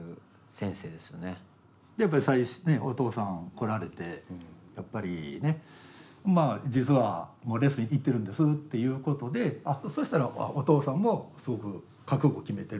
やっぱり最初お父さん来られてやっぱりね実はもうレッスン行ってるんですっていうことでそしたらお父さんもすごく覚悟決めてる。